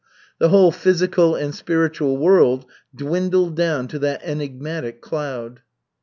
The whole physical and spiritual world dwindled down to that enigmatic cloud.